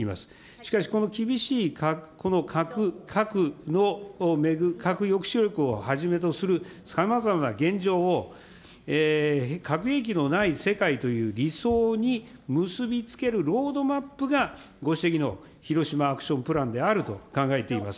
しかし、この厳しい核の、核抑止力をはじめとする、さまざまな現状を核兵器のない世界という理想に結び付けるロードマップが、ご指摘のヒロシマ・アクション・プランであると考えています。